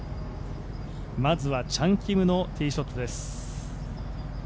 まずはチャン・キムのティーショットです。